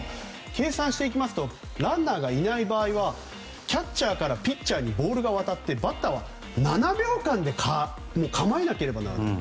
計算していきますとランナーがいない場合はキャッチャーからピッチャーにボールが渡ってバッターは７秒間で構えなければならない。